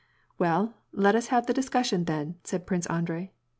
"Well, let us have the discussion then," said Prince Andrei.